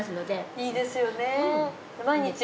いいですよね。